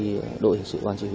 báo cáo để ban chỉ huy